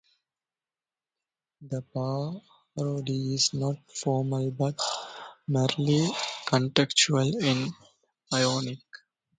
The parody is not formal, but merely contextual and ironic.